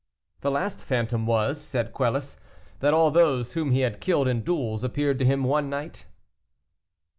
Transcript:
"The last phantom was," said Quelus, "that all those whom he had killed in duels appeared to him one night."